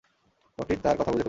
লোকটি তার কথা বুঝে ফেলল।